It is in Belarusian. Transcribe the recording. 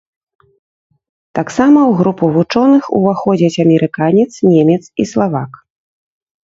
Таксама ў групу вучоных уваходзяць амерыканец, немец і славак.